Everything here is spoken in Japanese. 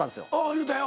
言うたよ。